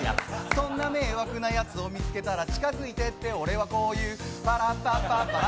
そんな迷惑なやつを見つけたら近づいてって俺はこう言う。